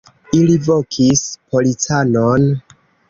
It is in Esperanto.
Ili vokis policanon.